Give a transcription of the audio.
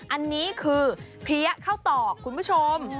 อันนี้คือเพี้ยข้าวตอกคุณผู้ชม